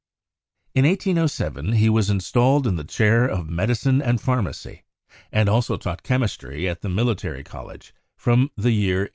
In 1807, he was installed in the chair of medicine and pharmacy, and also taught chemistry at the Military College from the year 1806.